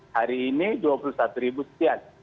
hari ini dua puluh satu setian